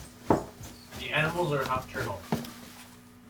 The animals are nocturnal.